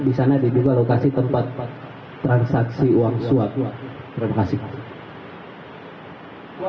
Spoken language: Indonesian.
di sana di juga lokasi tempat transaksi uang suatu